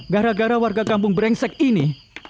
gara gara warga kampung brengsek ini